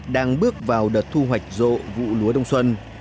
đang bước vào đợt thu hoạch rộ vụ lúa đông xuân